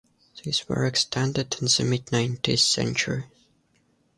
These were extended in the mid-nineteenth century.